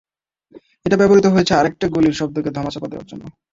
এটা ব্যবহৃত হয়েছে আরেকটা গুলির শব্দকে ধামাচাপা দেওয়ার জন্য।